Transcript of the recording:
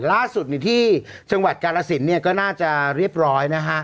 ล่าสุดที่จังหวัดกาลสินเนี่ยก็น่าจะเรียบร้อยนะฮะ